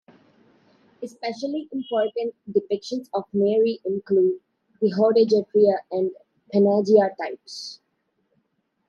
Especially important depictions of Mary include the Hodegetria and Panagia types.